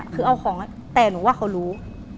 คือเอาของแต่หนูว่าเขารู้